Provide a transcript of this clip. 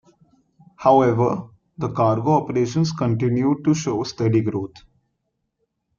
However, the cargo operations continue to show a steady growth.